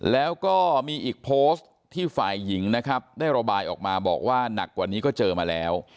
แล้วก็มีอีกโพสต์ที่ฝ่ายหญิงนะครับได้ระบายออกมาบอกว่าหนักกว่านี้ก็เจอมาแล้ว